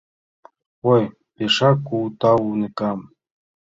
— Ой, пешак кугу тау, уныкам...